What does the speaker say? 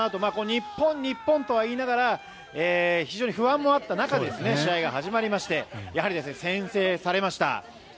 日本、日本とは言いながら非常に不安もあった中試合が始まりましてやはり先制されました。